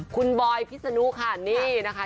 คุณบอยพิษนุค่ะนี่นะคะ